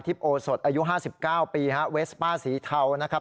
ที่โอสดอายุห้าสิบเก้าปีฮะเวดสปาดศรีเทานะครับ